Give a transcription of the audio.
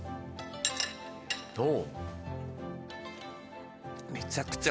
どう？